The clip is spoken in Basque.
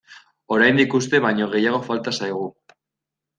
Oraindik uste baino gehiago falta zaigu.